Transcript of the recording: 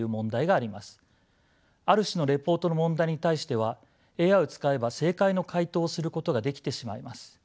ある種のレポートの問題に対してはＡＩを使えば正解の回答をすることができてしまいます。